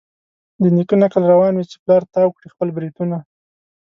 د نیکه نکل روان وي چي پلار تاو کړي خپل برېتونه